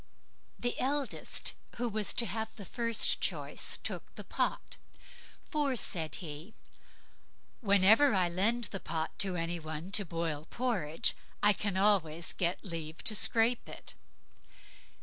The eldest, who was to have first choice, he took the pot; "for", said he, "whenever I lend the pot to any one to boil porridge, I can always get leave to scrape it".